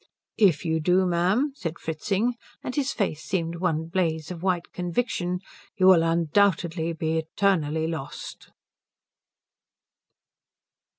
"If you do, ma'am," said Fritzing, and his face seemed one blaze of white conviction, "you will undoubtedly be eternally lost."